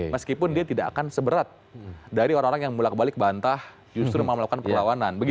meskipun dia tidak akan seberat dari orang orang yang mulak balik bantah justru mau melakukan perlawanan